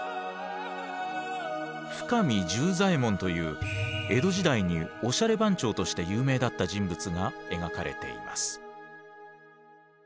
深見十左衛門という江戸時代におしゃれ番長として有名だった人物が描かれています。